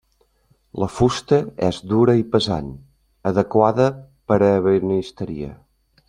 La fusta és dura i pesant, adequada per a ebenisteria.